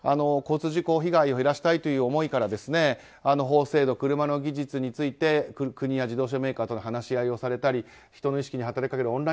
交通事故被害を減らしたいという思いから法制度、車の技術について国や自動車メーカーとの話し合いをされたり人の意識に働きかける